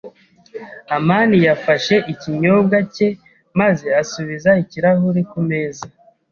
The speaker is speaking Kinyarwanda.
amani yafashe ikinyobwa cye maze asubiza ikirahuri ku meza.